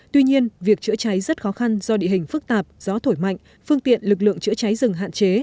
tuy nhiên việc chữa cháy rất khó khăn do địa hình phức tạp gió thổi mạnh phương tiện lực lượng chữa cháy rừng hạn chế